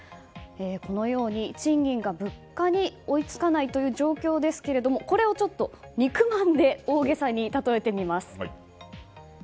このように賃金が物価に追いつかないという状況ですがこれを肉まんで大げさに例えてみます。